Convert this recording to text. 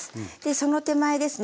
その手前ですね